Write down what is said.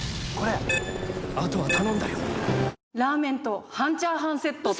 あとは頼んだよ。